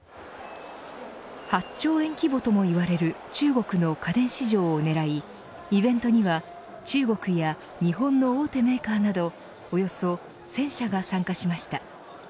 ８兆円規模ともいわれる中国の家電市場を狙いイベントには中国や日本の大手メーカーなどおよそ１０００社が参加しました。